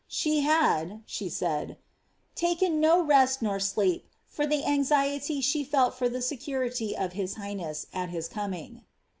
She had," she said, " taken neither rest nor sleep For the anxie^ ■he fell for the security of his highness at his coming."